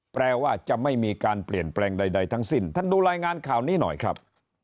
แปลว่าจะไม่มีการเปลี่ยนแปลงใดทั้งสิ้นท่านดูรายงานข่าวนี้หน่อยครับ